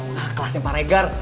nah kelasnya pak regar